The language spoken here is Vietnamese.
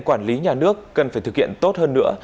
quản lý nhà nước cần phải thực hiện tốt hơn nữa